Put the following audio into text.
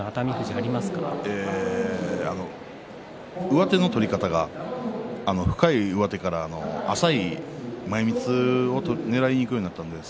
はい、上手の取り方が深い上手から浅い前みつをねらいにいくようになったんです。